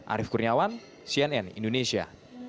arief kurniawan cnn indonesia